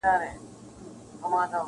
• او لوستونکو ته پیغام ورکوي -